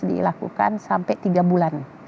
dilakukan sampai tiga bulan